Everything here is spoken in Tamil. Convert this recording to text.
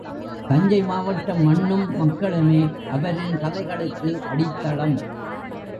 தஞ்சை மாவட்ட மண்ணும் மக்களுமே அவரின் கதைகளுக்கு அடித்தளம்.